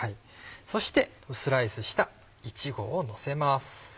そしてスライスしたいちごをのせます。